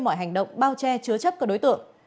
mọi hành động bao che chứa chấp các đối tượng